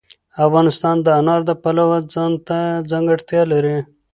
افغانستان د انار د پلوه ځانته ځانګړتیا لري.